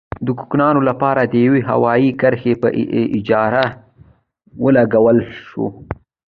د کارکوونکو لپاره د یوې هوايي کرښې په اجاره ولګول شوه.